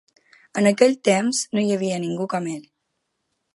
En aquell temps, no hi havia ningú com ell.